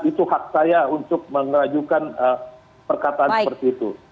itu hak saya untuk mengajukan perkataan seperti itu